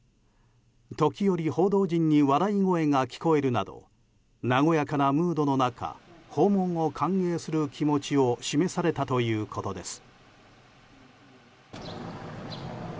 時折、報道陣に笑い声が聞こえるなど和やかなムードの中訪問を歓迎する気持ちを示されたということです。